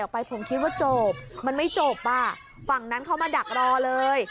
ไปผมคิดว่าจบมันไม่จบอ่ะฝั่งนั้นเขามาดักรอเลย